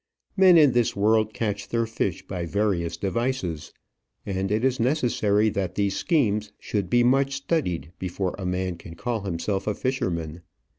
Men in this world catch their fish by various devices; and it is necessary that these schemes should be much studied before a man can call himself a fisherman.